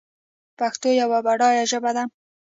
پښتو یوه بډایه ژبه ده.